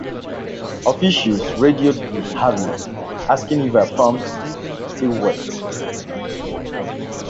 Officials radioed the "Harvey," asking if her pumps still worked.